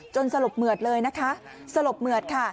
สลบเหมือดเลยนะคะสลบเหมือดค่ะ